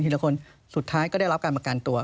ทีละคนสุดท้ายก็ได้รับการมาการตัว